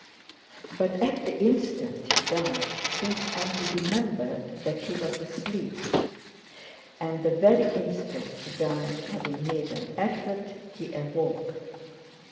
But at the instant he died, Prince Andrew remembered that he was asleep, and at the very instant he died, having made an effort, he awoke.